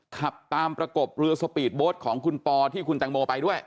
ขับตามประกบเรือสปีดโบ๊ทของคุณปอที่คุณแตงโมไปด้วย